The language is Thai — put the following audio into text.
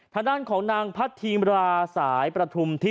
ทางด้านของนางพัดทีมราสายประทุมที่